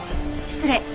失礼。